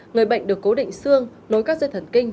người bệnh được cố định xương nối các dây thần kinh